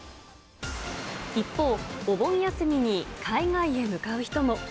一方、お盆休みに海外へ向かう人も。